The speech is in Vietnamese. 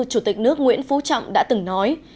chủ tịch nước nguyễn phú trọng đã từng nói